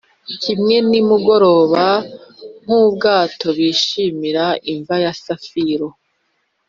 kimwe nimugoroba nk'ubwato bishimira imva ya safiro ”